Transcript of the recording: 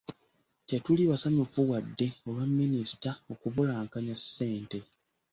Tetuli basanyufu wadde olwa minisita okubulankanya ssente .